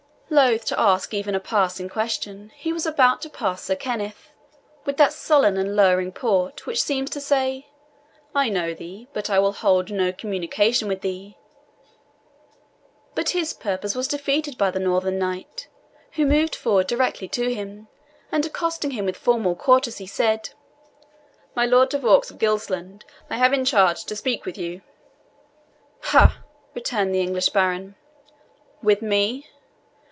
Loath to ask even a passing question, he was about to pass Sir Kenneth, with that sullen and lowering port which seems to say, "I know thee, but I will hold no communication with thee." But his purpose was defeated by the Northern Knight, who moved forward directly to him, and accosting him with formal courtesy, said, "My Lord de Vaux of Gilsland, I have in charge to speak with you." "Ha!" returned the English baron, "with me?